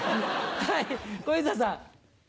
はい小遊三さん。